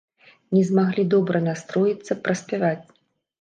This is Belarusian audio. Не змаглі добра настроіцца, праспяваць.